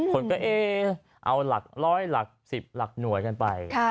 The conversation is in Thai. คนก็เอเอเอารอยหลัก๑๐หลักหน่วยกันไป